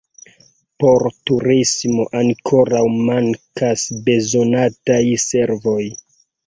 Por turismo ankoraŭ mankas bezonataj servoj.